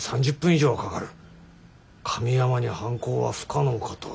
神山に犯行は不可能かと。